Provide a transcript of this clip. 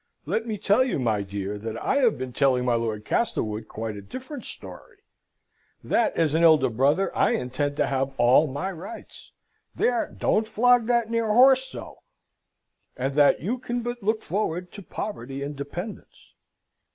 Let me tell you, my dear, that I have been telling my Lord Castlewood quite a different story. That as an elder brother I intend to have all my rights there, don't flog that near horse so and that you can but look forward to poverty and dependence."